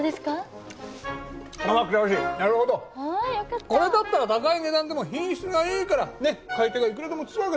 なるほどこれだったら高い値段でも品質がいいからね買い手がいくらでもつくわけだ。